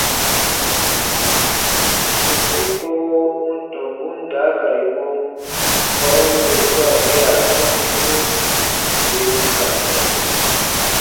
Sɔ̃ɔsi kowo u n tɔmbun daakari mɔ kpa u n bè swaa gea sɔ̃ɔsimɔ, bè n ka sɛ̃.